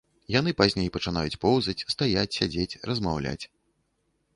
Яны пазней пачынаюць поўзаць, стаяць, сядзець, размаўляць.